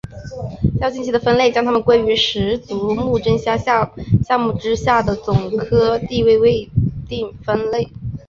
较近期的分类将它们归为十足目真虾下目之下的总科地位未定分类。